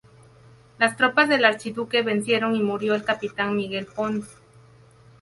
Las tropas del archiduque vencieron y murió el capitán Miguel Pons.